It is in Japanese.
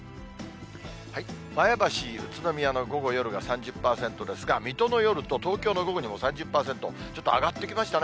前橋、宇都宮の午後、夜は３０％ですが、水戸の夜と東京の午後にも３０％、ちょっと上がってきましたね。